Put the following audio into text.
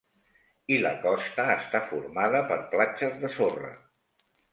I la costa està formada per platges de sorra.